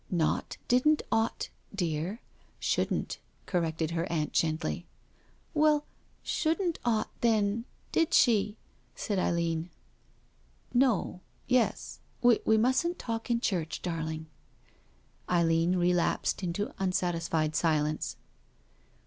Not • didn't ought/ dear—' shouldn't,* " corrected her aunt gently. "Well, 'shouldn't ought/ then— did she?" said Eileen. " No— yes— we musn't talk in church, darling." Eileen relapsed into unsatisfied silence.